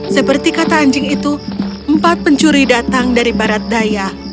seperti kata anjing itu empat pencuri datang dari barat daya